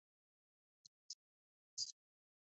La ciudad tiene una larga historia.